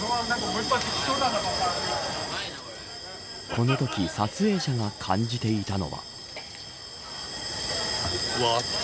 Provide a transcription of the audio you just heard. このとき撮影者が感じていたのは。